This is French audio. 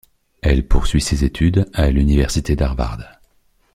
Elle poursuit ses études à l’université d’Harvard.